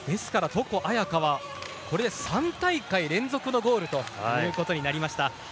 床亜矢可はこれで３大会連続のゴールということになりました。